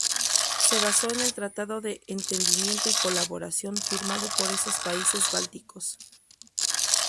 Se basó en el Tratado de Entendimiento y Colaboración firmado por esos países bálticos.